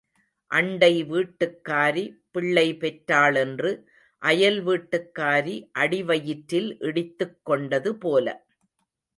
அண்டை வீட்டுக்காரி பிள்ளை பெற்றாளென்று அயல் வீட்டுக்காரி அடி வயிற்றில் இடித்துக் கொண்டது போல.